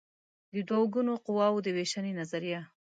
د دوه ګونو قواوو د وېشنې نظریه